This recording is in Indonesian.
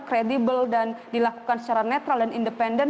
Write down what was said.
kredibel dan dilakukan secara netral dan independen